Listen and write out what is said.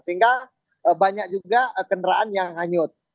sehingga banyak juga kendaraan yang hanyut